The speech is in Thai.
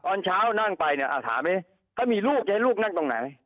ตอนเช้านั่งไปถามนี่ถ้ามีลูกจะให้ลูกนั่งตรงไหน